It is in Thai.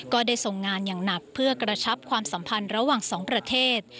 ก็ได้ทรงงานอย่างหนักเพื่อกระชับความสัมพันธ์ระหว่างสองประเทศ